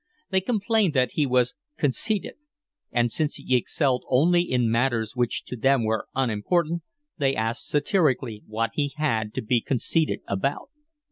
They complained that he was conceited; and, since he excelled only in matters which to them were unimportant, they asked satirically what he had to be conceited about.